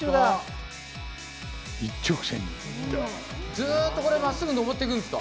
ずっとこれまっすぐ上っていくんですか？